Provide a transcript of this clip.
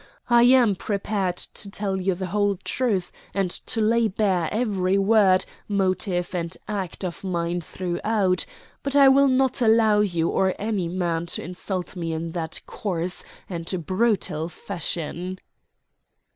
I am prepared to tell you the whole truth, and to lay bare every word, motive, and act of mine throughout; but I will not allow you or any man to insult me in that coarse and brutal fashion."